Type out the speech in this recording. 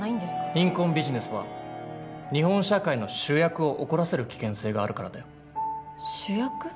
貧困ビジネスは日本社会の「主役」を怒らせる危険性があるからだよ主役？